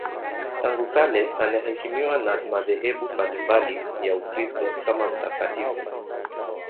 Tangu kale anaheshimiwa na madhehebu mbalimbali ya Ukristo kama mtakatifu.